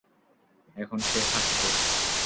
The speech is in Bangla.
এখন সে খাচ্ছে।